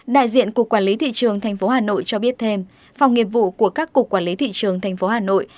đại diện cục quản lý thị trường tp hcm cho biết thêm phòng nghiệp vụ của các cục quản lý thị trường tp hcm